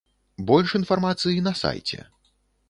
Больш інфармацыі на сайце.